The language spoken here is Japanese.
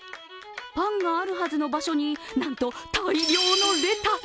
パンがあるはずの場所になんと大量のレタス。